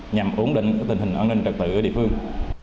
nhằm ổn định tình hình an ninh trật tự ở địa phương